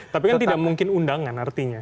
tapi kan tidak mungkin undangan artinya